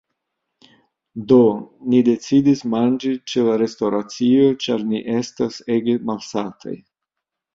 Do, ni decidis manĝi ĉe la restoracio ĉar ni estas ege malsataj